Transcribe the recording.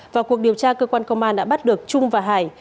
vào cuộc điều tra cơ quan công an đã bắt được trung và hải